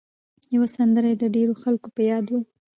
یوه سندره یې د ډېرو خلکو په یاد وه.